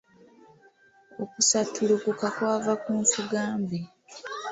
Okusattulukuka kwava ku nfuga mbi.